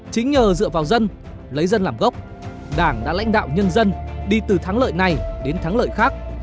chính nhờ dựa vào dân lấy dân làm gốc đảng đã lãnh đạo nhân dân đi từ thắng lợi này đến thắng lợi khác